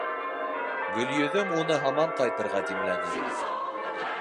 Гөлйөҙөм уны һаман ҡайтырға димләне.